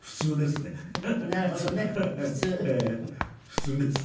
普通です。